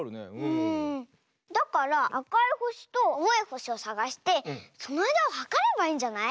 だからあかいほしとあおいほしをさがしてそのあいだをはかればいいんじゃない？